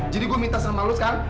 jadi gue minta sama lu sekarang